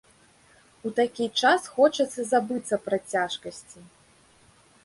У такі час хочацца забыцца пра цяжкасці.